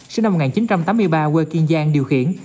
sinh năm một nghìn chín trăm tám mươi ba quê kiên giang điều khiển